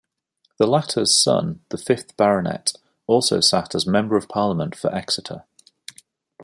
The latter's son, the fifth Baronet, also sat as Member of Parliament for Exeter.